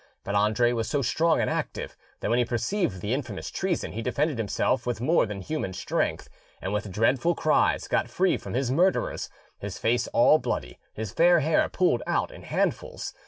But Andre was so strong and active, that when he perceived the infamous treason he defended himself with more than human strength, and with dreadful cries got free from his murderers, his face all bloody, his fair hair pulled out in handfuls.